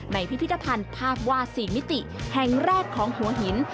พิพิธภัณฑ์ภาพวาด๔มิติแห่งแรกของหัวหิน